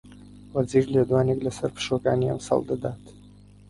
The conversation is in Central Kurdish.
وەزیر لێدوانێک لەسەر پشووەکانی ئەمساڵ دەدات